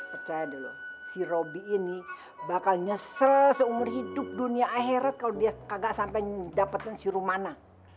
percaya dulu si robby ini bakal nyesel seumur hidup dunia akhirat kalau dia gak sampai dapetin si rumana